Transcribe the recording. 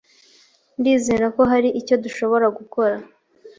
Ndizera ko hari icyo dushobora gukora.